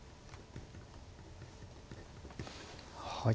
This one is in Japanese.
はい。